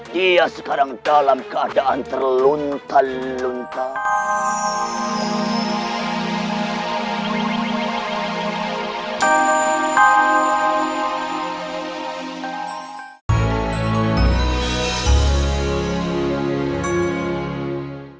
dia sekarang dalam keadaan terluntar luntar